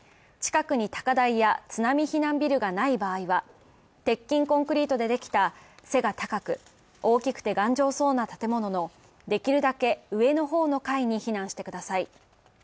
近くに高台や津波避難ビルがない場合は、鉄筋コンクリートでできた背が高く大きくて頑丈そうな建物のできるだけ上の方の階に避難してください。